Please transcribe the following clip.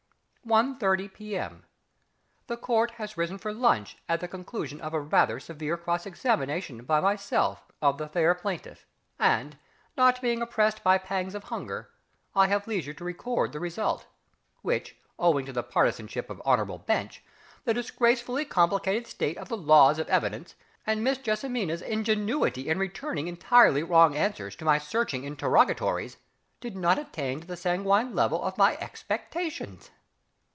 1.30 P.M. The Court has risen for lunch at the conclusion of a rather severe cross examination by myself of the fair plaintiff, and, not being oppressed by pangs of hunger, I have leisure to record the result which, owing to the partisanship of Hon'ble Bench, the disgracefully complicated state of the laws of Evidence, and Miss JESSIMINA'S ingenuity in returning entirely wrong answers to my searching interrogatories, did not attain to the sanguine level of my expectations.